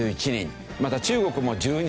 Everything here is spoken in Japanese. また中国も１２人。